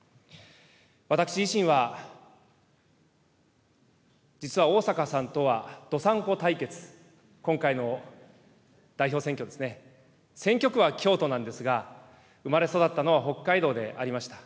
私自身は実は逢坂さんとは道産子対決、今回の代表選挙ですね、選挙区は京都なんですが、生まれ育ったのは北海道でありました。